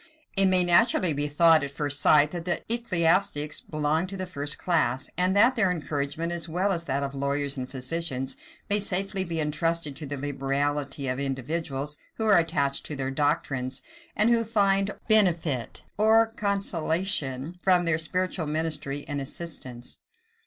It may naturally be thought, at first sight, that the ecclesiastics belong to the first class, and that their encouragement, as well as that of lawyers and physicians, may safely be intrusted to the liberality of individuals, who are attached to their doctrines, and who find benefit or consolation from their spiritual ministry and assistance.